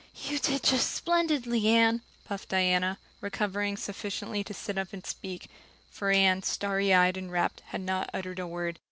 "You did just splendidly, Anne," puffed Diana, recovering sufficiently to sit up and speak, for Anne, starry eyed and rapt, had not uttered a word.